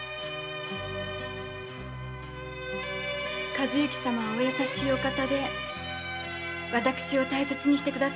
和之様はお優しいお方で私を大切にしてくださいました。